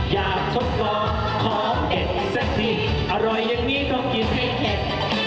อยากทดลองของเด็ดสักทีอร่อยอย่างนี้ต้องกินให้เผ็ด